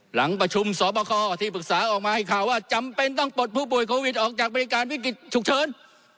หลังประชุมสอบคอที่ปรึกษาออกมาให้ข่าวว่าจำเป็นต้องปลดผู้ป่วยโควิดออกจากบริการวิกฤตฉุกเฉิน